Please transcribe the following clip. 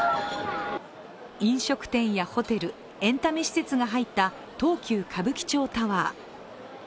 飲食店やホテル、エンタメ施設が入った東急歌舞伎町タワー。